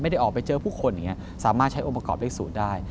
ได้ออกไปเจอผู้คนอย่างนี้สามารถใช้องค์ประกอบเลขสูตรได้